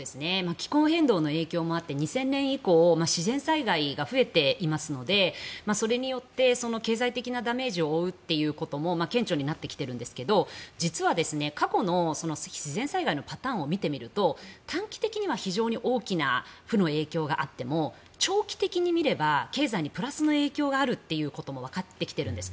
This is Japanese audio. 気候変動の影響もあって２０００年以降自然災害が増えていますのでそれによって経済的なダメージを負うということも顕著になってきているんですが実は過去の自然災害のパターンを見てみると短期的には非常に大きな負の影響があっても長期的に見れば、経済にプラスの影響があるということもわかってきているんです。